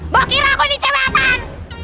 mau kira aku ini cewek apaan